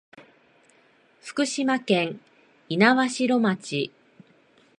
福島県猪苗代町